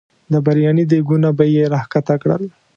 د بریاني دیګونه به یې را ښکته کړل.